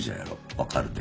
分かるで。